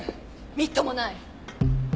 みっともない。